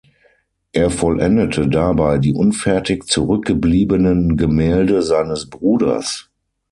Er vollendete dabei die unfertig zurück gebliebenen Gemälde seines Bruders.